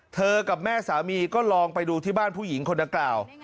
กับแม่สามีก็ลองไปดูที่บ้านผู้หญิงคนดังกล่าว